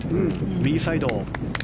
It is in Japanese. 右サイド。